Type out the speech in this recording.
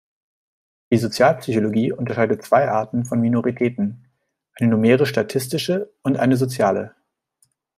Die Sozialpsychologie unterscheidet zwei Arten von Minoritäten: Eine numerisch-statistische und eine soziale.